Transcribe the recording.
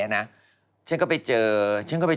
งานอีเวนต์ไม่มีไง